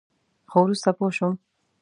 خو وروسته پوه شوم.